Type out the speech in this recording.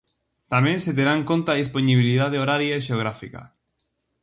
Tamén se terá en conta a dispoñibilidade horaria e xeográfica.